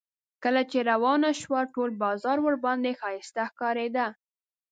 کله چې روانه شوه ټول بازار ورباندې ښایسته ښکارېده.